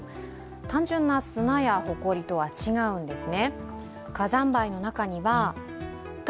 単純な砂やホコリとは違うんですね。